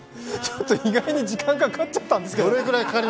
意外に時間かかっちゃったんですけど。